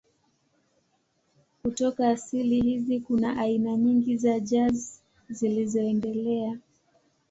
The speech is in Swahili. Kutoka asili hizi kuna aina nyingi za jazz zilizoendelea.